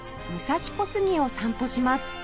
武蔵小杉を散歩します